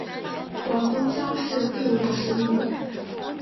广东乡试第五十名。